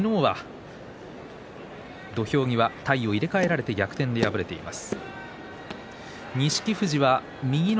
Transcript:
昨日は土俵際体を入れ替えられて逆転で敗れています。